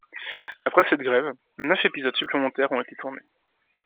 Après cette grève, neuf épisodes supplémentaires ont été tournés.